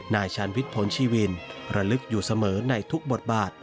นายชาญพิษผลชีวินระลึกอยู่เสมอในทุกบทบาท